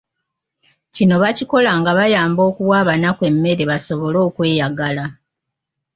Kino bakikola nga bayamba okuwa abanaku emmere basobole okweyagala.